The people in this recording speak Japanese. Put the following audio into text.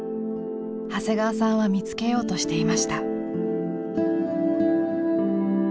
長谷川さんは見つけようとしていました。